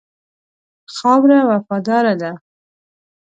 خاوره وفاداره ده.